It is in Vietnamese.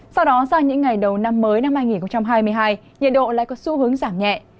sau đó sang những ngày đầu năm mới năm hai nghìn hai mươi hai nhiệt độ lại có xu hướng giảm nhẹ